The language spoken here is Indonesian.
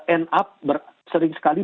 end up sering sekali